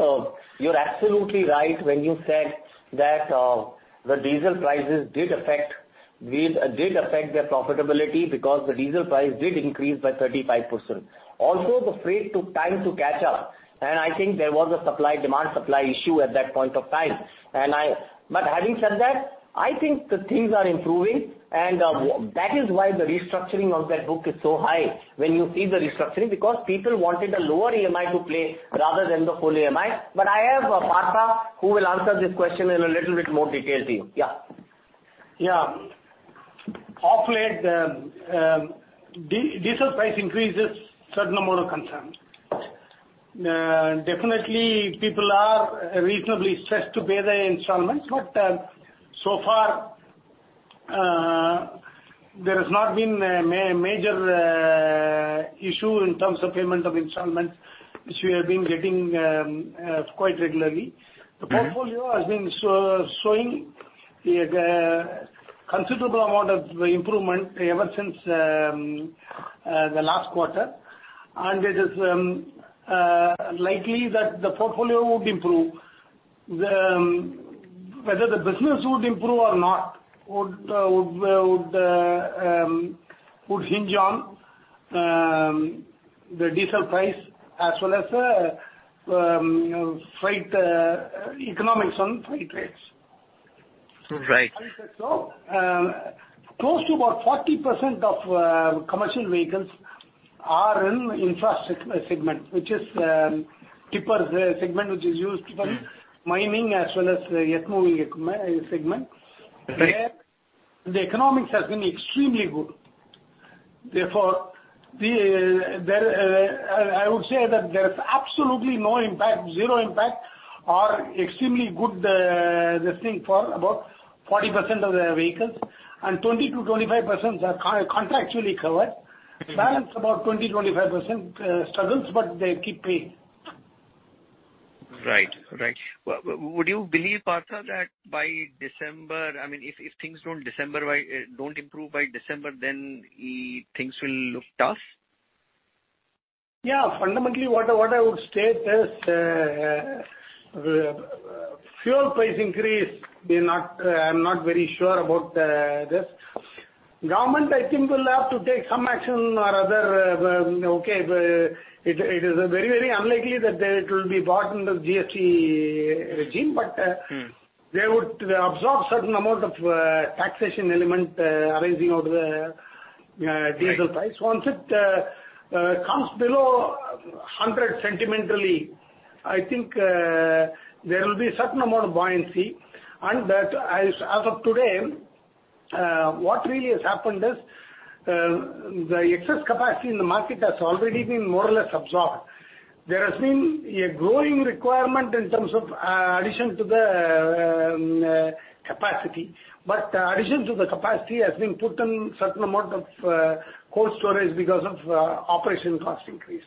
you're absolutely right when you said that the diesel prices did affect their profitability because the diesel price did increase by 35%. Also, the freight took time to catch up, and I think there was a supply-demand issue at that point of time. Having said that, I think the things are improving and that is why the restructuring of that book is so high when you see the restructuring, because people wanted a lower EMI to pay rather than the full EMI. I have Partha who will answer this question in a little bit more detail to you. Yeah. Yeah. Of late, diesel price increases certain amount of concern. Definitely people are reasonably stressed to pay their installments, but so far, there has not been a major issue in terms of payment of installments, which we have been getting quite regularly. Mm-hmm. The portfolio has been showing a considerable amount of improvement ever since the last quarter. It is likely that the portfolio would improve. Whether the business would improve or not would hinge on the diesel price as well as freight economics on freight rates. Right. Having said so, close to about 40% of commercial vehicles are in infrastructure segment, which is tippers segment which is used for mining as well as earthmoving segment. Right. Their economics has been extremely good. Therefore, I would say that there's absolutely no impact, zero impact or extremely good thing for about 40% of the vehicles and 20%-25% are contractually covered. Okay. Balances about 20%-25% struggles, but they keep paying. Right. Would you believe, Partha, that by December, I mean, if things don't improve by December, then things will look tough? Yeah. Fundamentally, what I would state is fuel price increase may not. I'm not very sure about this. The government I think will have to take some action or other, okay. It is very unlikely that it will be brought under GST regime. Mm. They would absorb certain amount of taxation element arising out of the diesel price. Right. Once it comes below 100 sentimentally, I think there will be certain amount of buoyancy, and that as of today what really has happened is the excess capacity in the market has already been more or less absorbed. There has been a growing requirement in terms of addition to the capacity. Addition to the capacity has been put in certain amount of cold storage because of operating cost increase.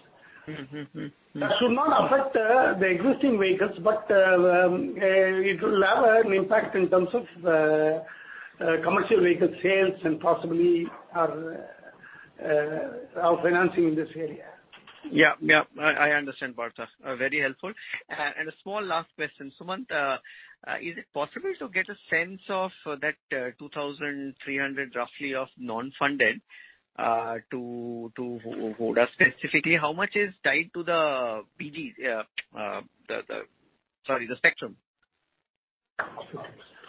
Mm-hmm. That should not affect the existing vehicles, but it will have an impact in terms of commercial vehicle sales and possibly our financing in this area. I understand, Partha. Very helpful. A small last question. Sumant, is it possible to get a sense of that 2,300 roughly of non-funded to Vodafone specifically, how much is tied to the BGs? The spectrum.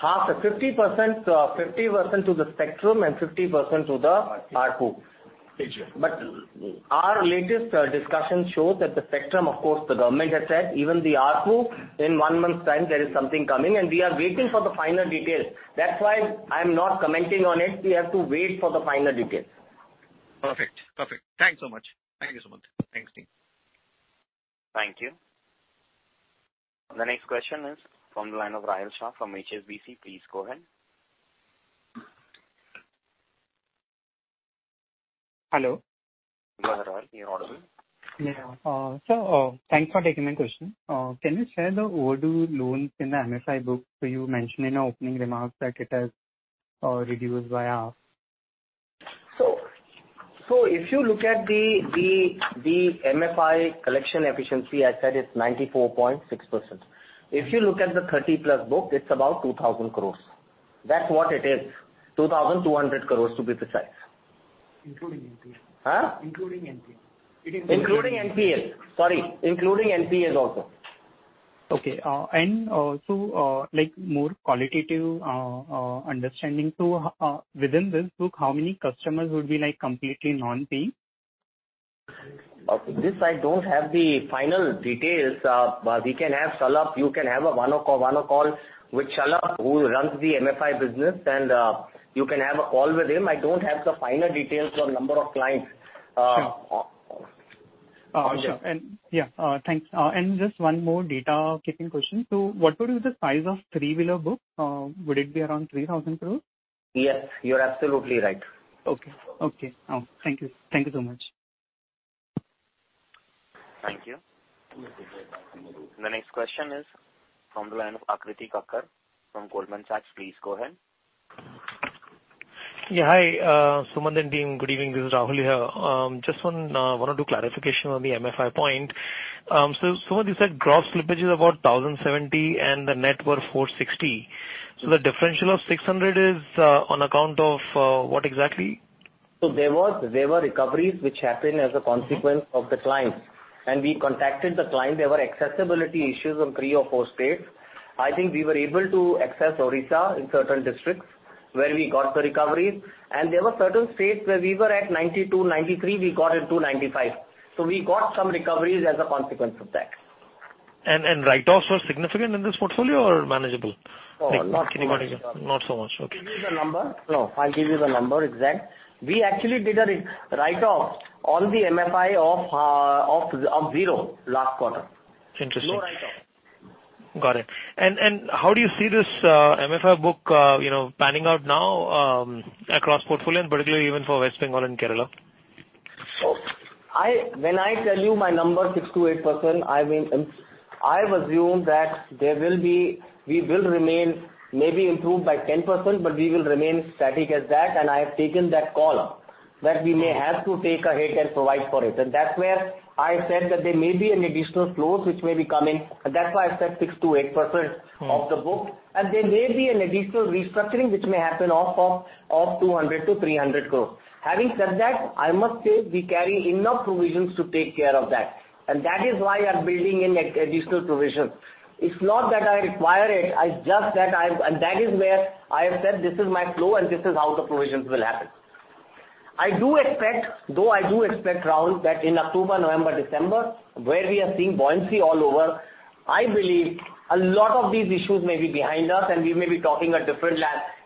Half. 50% to the Spectrum and 50% to the R2. R2. Our latest discussion shows that the spectrum, of course, the government has said even the R2 in one month's time there is something coming and we are waiting for the final details. That's why I'm not commenting on it. We have to wait for the final details. Perfect. Thanks so much. Thank you, Sumant. Thanks, team. Thank you. The next question is from the line of Rahul Shah from HSBC. Please go ahead. Hello? Rahul, you're audible. Yeah. Thanks for taking my question. Can you share the overdue loans in the MFI book? You mentioned in your opening remarks that it has reduced by half. If you look at the MFI collection efficiency, I said it's 94.6%. If you look at the 30+ book, it's about 2,000 crore. That's what it is. 2,200 crore, to be precise. Including NPAs. Huh? Including NPAs. It includes- Including NPAs. Sorry, including NPAs also. Okay. And also, like more qualitative understanding. Within this book, how many customers would be like completely non-paying? This I don't have the final details. We can have Shalabh. You can have a one-on-one call with Shalabh, who runs the MFI business, and you can have a call with him. I don't have the final details on number of clients. Sure. Yeah. Thanks. Just one more housekeeping question. What would be the size of three-wheeler book? Would it be around 3,000 crore? Yes, you're absolutely right. Okay. Thank you so much. Thank you. The next question is from the line of Rahul Jain from Goldman Sachs. Please go ahead. Hi, Sumant and team. Good evening. This is Rahul here. Just one or two clarification on the MFI point. Sumant you said gross slippage is about 1,070 and the net were 460. The differential of 600 is on account of what exactly? There were recoveries which happened as a consequence of the client, and we contacted the client. There were accessibility issues in three or four states. I think we were able to access Odisha in certain districts where we got the recoveries, and there were certain states where we were at 92%-93%, we got it to 95%. We got some recoveries as a consequence of that. Write-offs were significant in this portfolio or manageable? No, not so much. Not so much. Okay. I'll give you the exact number. We actually did a write-off of all the MFI of zero last quarter. Interesting. No write-off. Got it. How do you see this MFI book, you know, panning out now, across portfolio and particularly even for West Bengal and Kerala? When I tell you my number six-eight percent I mean, I've assumed that there will be we will remain maybe improved by 10%, but we will remain static as that. I have taken that call that we may have to take a hit and provide for it. That's where I said that there may be an additional flows which may be coming. That's why I said six-eight percent. Mm. of the book. There may be an additional restructuring which may happen off of 200 to 300 crore. Having said that, I must say we carry enough provisions to take care of that. That is why we are building in additional provisions. It's not that I require it's just that I and that is where I have said this is my flow and this is how the provisions will happen. I do expect, though, Rahul, that in October, November, December, where we are seeing buoyancy all over, I believe a lot of these issues may be behind us and we may be talking a different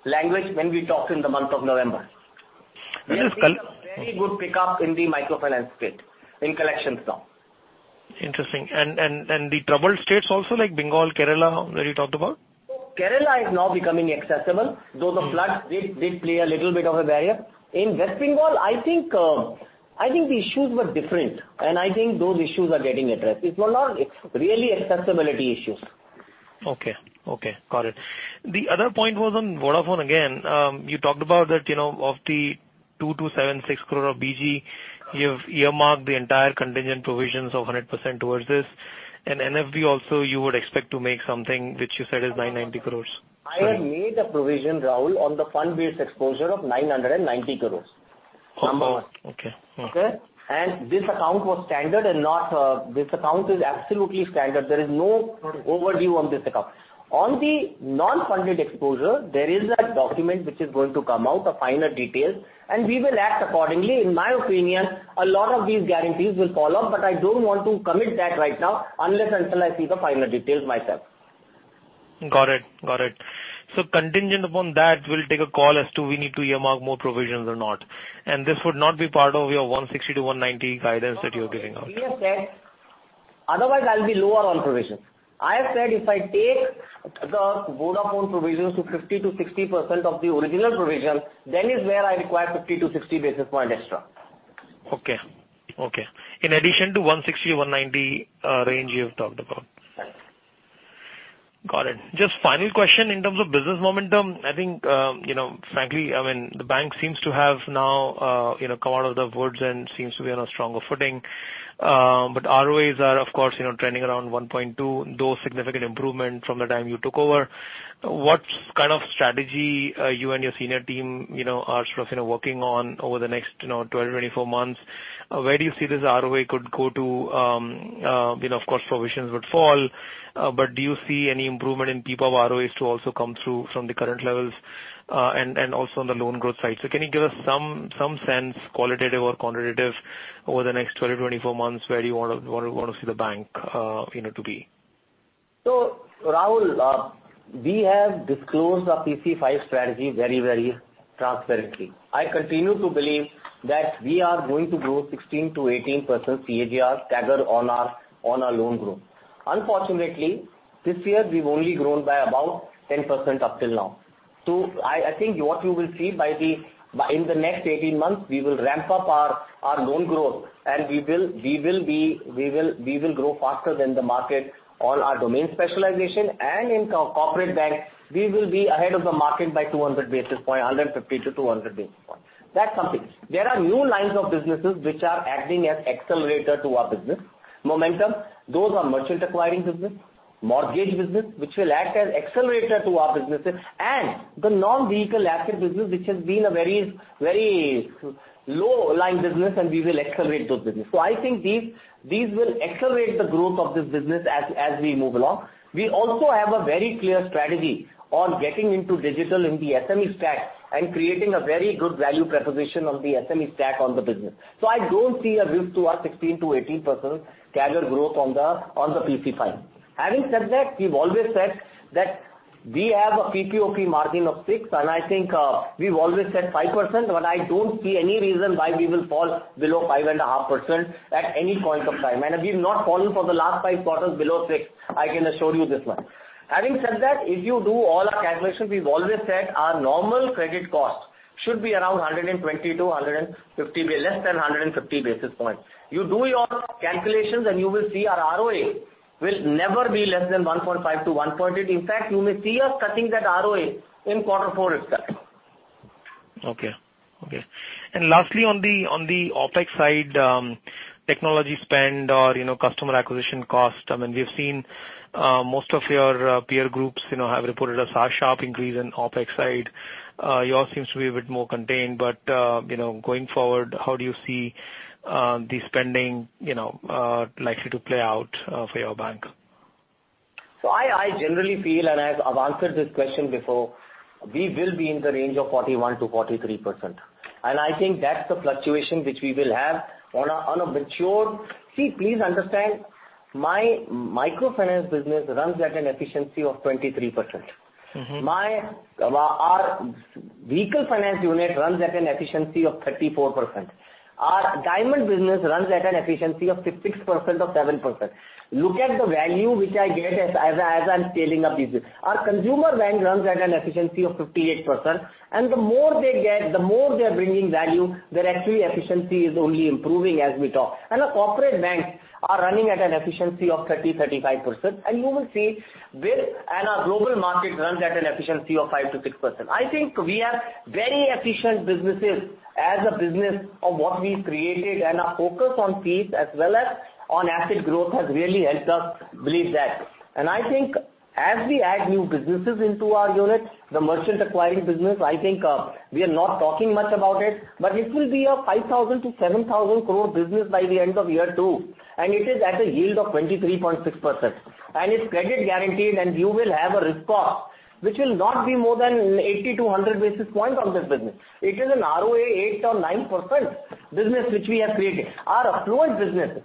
language when we talk in the month of November. That is. We have seen a very good pickup in the microfinance space in collections now. Interesting. The troubled states also like Bengal, Kerala, that you talked about? Kerala is now becoming accessible. Mm. Though the floods did play a little bit of a barrier. In West Bengal, I think, I think the issues were different, and I think those issues are getting addressed. It was not really accessibility issues. Okay. Got it. The other point was on Vodafone again. You talked about that, you know, of the 2,276 crore of BG, you've earmarked the entire contingent provisions of 100% towards this. NBFC also you would expect to make something which you said is 990 crore. I have made a provision, Rahul, on the fund-based exposure of 990 crore. Oh, okay. Number one. Okay. This account is absolutely standard. There is no Got it. Overdue on this account. On the non-funded exposure, there is a document which is going to come out, the final details, and we will act accordingly. In my opinion, a lot of these guarantees will fall off, but I don't want to commit that right now unless until I see the final details myself. Got it. Contingent upon that, we'll take a call as to we need to earmark more provisions or not. This would not be part of your 160-190 guidance that you're giving us. No. We have said otherwise I'll be lower on provisions. I have said if I take the Vodafone provisions to 50%-60% of the original provision, then is where I require 50-60 basis points extra. Okay. In addition to 160-190 range you have talked about. Yes. Got it. Just final question in terms of business momentum. I think, you know, frankly, I mean, the bank seems to have now, you know, come out of the woods and seems to be on a stronger footing. ROAs are of course, you know, trending around 1.2, though significant improvement from the time you took over. What kind of strategy, you and your senior team, you know, are sort of, you know, working on over the next, you know, 12, 24 months? Where do you see this ROA could go to, you know, of course, provisions would fall, but do you see any improvement in spread of ROAs to also come through from the current levels, and also on the loan growth side? Can you give us some sense, qualitative or quantitative, over the next 12, 24 months, where you wanna see the bank, you know, to be? Rahul, we have disclosed our PC5 strategy very transparently. I continue to believe that we are going to grow 16%-18% CAGR staggered on our loan growth. Unfortunately, this year we've only grown by about 10% up till now. I think what you will see in the next 18 months, we will ramp up our loan growth and we will grow faster than the market on our domain specialization and in corporate bank, we will be ahead of the market by 200 basis points, 150 to 200 basis points. That's something. There are new lines of businesses which are acting as accelerator to our business momentum. Those are merchant acquiring business, mortgage business, which will act as accelerator to our businesses and the non-vehicle asset business, which has been a very low line business and we will accelerate those business. I think these will accelerate the growth of this business as we move along. We also have a very clear strategy on getting into digital in the SME stack and creating a very good value proposition on the SME stack on the business. I don't see a risk to our 16%-18% CAGR growth on the PC5. Having said that, we've always said that we have a PPOP margin of six percent, and I think we've always said five percent, but I don't see any reason why we will fall below 5.5%five and a half percent at any point of time. We've not fallen for the last five quarters below six, I can assure you this much. Having said that, if you do all our calculations, we've always said our normal credit cost should be around 120 to 150 less than 150 basis points. You do your calculations and you will see our ROA will never be less than 1.5-1.8. In fact, you may see us touching that ROA in quarter four itself. Okay. Lastly, on the OpEx side, technology spend or, you know, customer acquisition cost, I mean, we've seen most of your peer groups, you know, have reported a sharp increase in OpEx side. Yours seems to be a bit more contained, but, you know, going forward, how do you see the spending, you know, likely to play out for your bank? I generally feel, and as I've answered this question before, we will be in the range of 41%-43%. I think that's the fluctuation which we will have. See, please understand my microfinance business runs at an efficiency of 23%. Mm-hmm. Our vehicle finance unit runs at an efficiency of 34%. Our diamond business runs at an efficiency of 56% or 57%. Look at the value which I get as I'm scaling up this. Our consumer bank runs at an efficiency of 58%, and the more they get, the more they're bringing value, their actual efficiency is only improving as we talk. Our corporate banks are running at an efficiency of 35%. You will see this, and our global market runs at an efficiency of five-six percent. I think we are very efficient businesses as a business of what we created, and our focus on fees as well as on asset growth has really helped us believe that. I think as we add new businesses into our units, the merchant acquiring business, I think, we are not talking much about it, but it will be a 5,000-7,000 crore business by the end of year two, and it is at a yield of 23.6%. It's credit guaranteed, and you will have a risk cost which will not be more than 80-100 basis points on this business. It is an ROA 8%-9% business which we have created. Our affluence business,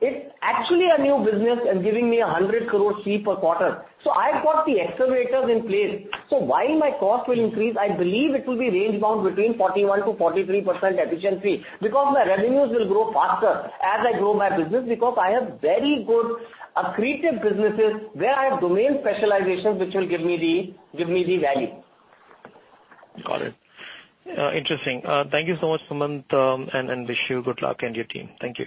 it's actually a new business and giving me a 100 crore fee per quarter. I've got the accelerators in place. While my cost will increase, I believe it will be range-bound between 41%-43% efficiency because my revenues will grow faster as I grow my business because I have very good accretive businesses where I have domain specializations which will give me the value. Got it. Interesting. Thank you so much, Sumant. I wish you good luck and your team. Thank you.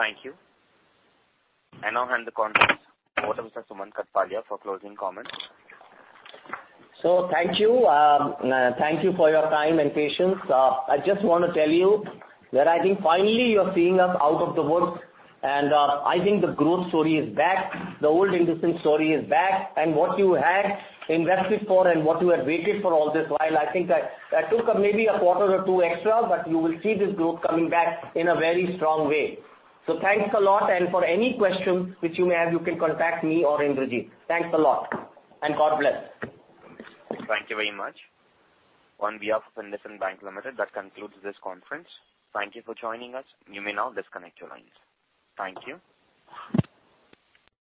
Thank you. I now hand the conference over to Mr. Sumant Kathpalia for closing comments. Thank you. Thank you for your time and patience. I just wanna tell you that I think finally you're seeing us out of the woods, and I think the growth story is back. The old IndusInd story is back, and what you had invested for and what you had waited for all this while, I think that took maybe a quarter or two extra, but you will see this group coming back in a very strong way. Thanks a lot, and for any questions which you may have, you can contact me or Indrajeet. Thanks a lot, and God bless. Thank you very much. On behalf of IndusInd Bank Limited, that concludes this conference. Thank you for joining us. You may now disconnect your lines. Thank you.